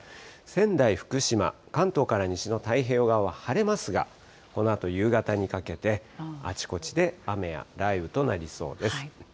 仙台、福島、関東から西の太平洋側は晴れますが、このあと夕方にかけて、あちこちで雨や雷雨となりそうです。